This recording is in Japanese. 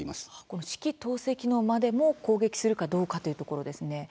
この指揮統制機能までも攻撃するかどうかというところですね。